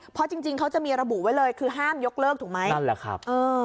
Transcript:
เพราะจริงจริงเขาจะมีระบุไว้เลยคือห้ามยกเลิกถูกไหมนั่นแหละครับเออ